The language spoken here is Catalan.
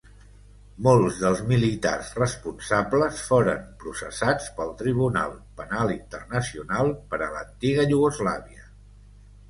Molts dels militars responsables foren processats pel Tribunal Penal Internacional per a l'antiga Iugoslàvia.